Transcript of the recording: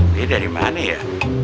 be dari mana ya